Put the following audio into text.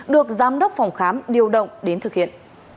được giám đốc phòng khám điều động đến thực hiện